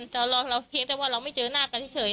แต่ว่าเราไม่เจอหน้ากันเฉย